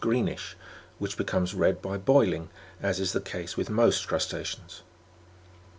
75 greenish, which becomes red by boiling, as is the case with most crusta'ceans.